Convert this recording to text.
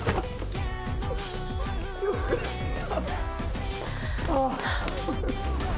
よかった。